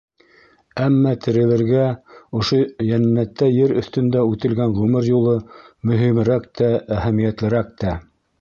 Әммә тереләргә ошо йәннәттәй ер өҫтөндә үтелгән ғүмер юлы мөһимерәк тә, әһәмиәтлерәк тә.